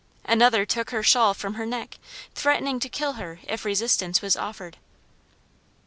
Another took her shawl from her neck, threatening to kill her if resistance was offered."